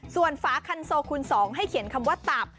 ส่วนฝาคันโซคูณ๒ให้เขียนคำว่าตับ